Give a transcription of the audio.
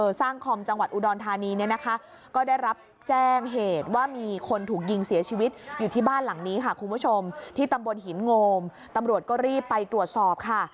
สร้างคอมจังหวัดอุดรธานีเนี่ยนะคะก็ได้รับแจ้งเหตุว่ามีคนถูกยิงเสียชีวิตอยู่ที่บ้านหลังนี้ค่ะคุณผู้ชมที่ตำบลหินโงมตำรวจก็รีบไปตรวจสอบค่ะ